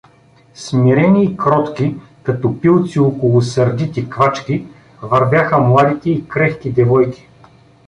Смирени и кротки, като пилци около сърдити квачки, вървяха младите и крехки девойки.